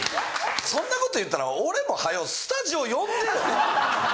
そんなこと言ったら俺もはよスタジオ呼んでよ！